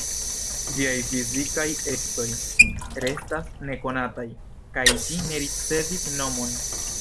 Ĝiaj fizikaj ecoj restas nekonataj, kaj ĝi ne ricevis nomon.